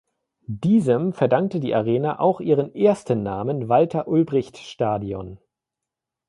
Diesem verdankte die Arena auch ihren ersten Namen „Walter-Ulbricht-Stadion“.